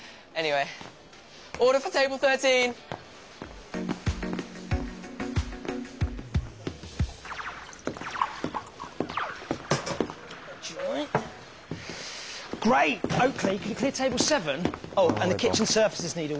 はい。